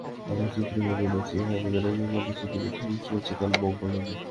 আলোকচিত্রী গাজী নাফিস আহমেদের একক আলোকচিত্র প্রদর্শনী শুরু হচ্ছে কাল মঙ্গলবার থেকে।